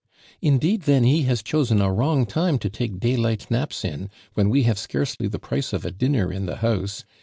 '•Indeed, then, he has chosen a wrong time to take daylight naps in, when we have scarcely the price of a dinner in the house.